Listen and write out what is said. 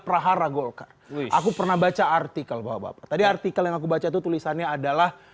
prahara golkar aku pernah baca artikel bapak bapak tadi artikel yang aku baca itu tulisannya adalah